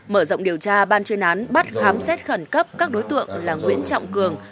mở rộng điều tra ban chuyên án bắt khám xét khẩn cấp các đối tượng là nguyễn trọng cường